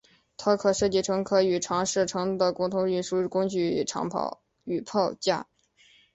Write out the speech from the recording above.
它被设计成可与长射程的共用运输工具与炮架。